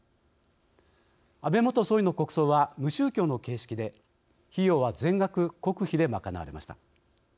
安倍元総理の国葬は無宗教の形式で費用は全額、国費で賄われました。